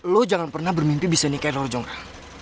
lo jangan pernah bermimpi bisa nikahin roro jongra